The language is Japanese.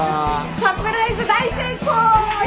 サプライズ大成功！